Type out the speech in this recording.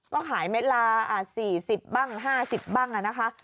ก็ขายเม็ดละ๔๐บ้าง๕๐บ้างนะคะ